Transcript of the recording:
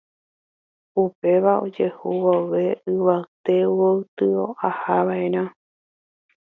upéva ojehu vove yvate gotyo ahava'erã